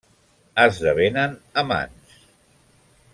Esdevenen amants.